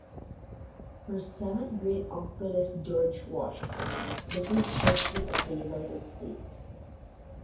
Her seventh great-uncle is George Washington, the first president of the United States.